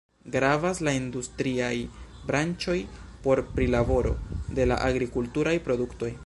Gravas la industriaj branĉoj por prilaboro de la agrikulturaj produktoj.